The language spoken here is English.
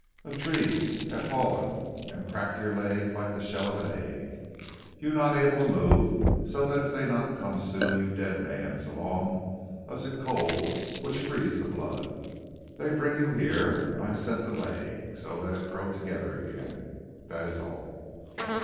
A tree hav' fallen an' crack your leg like a shell of the egg. You not able to move, so dat eef dey not come soon, you dead mans along of ze cold which freeze ze blood. Dey bring you here an' I set ze leg, so dat it grow together again. Dat is all!"